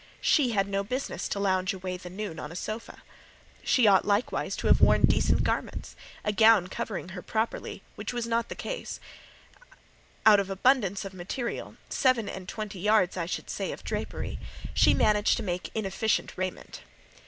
She, had no business to lounge away the noon on a sofa. She ought likewise to have worn decent garments; a gown covering her properly, which was not the case: out of abundance of material—seven and twenty yards, I should say, of drapery—she managed to make inefficient raiment.